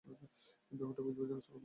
ব্যাপারটা বুঝিবার জন্য সকলেই উৎসুক।